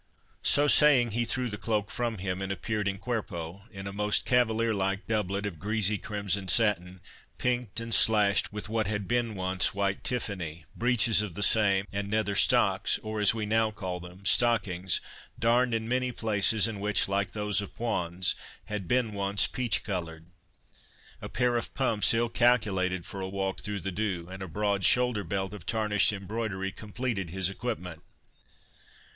So saying, he threw the cloak from him, and appeared in cuerpo, in a most cavalier like doublet, of greasy crimson satin, pinked and slashed with what had been once white tiffany; breeches of the same; and nether stocks, or, as we now call them, stockings, darned in many places, and which, like those of Poins, had been once peach coloured. A pair of pumps, ill calculated for a walk through the dew, and a broad shoulderbelt of tarnished embroidery, completed his equipment.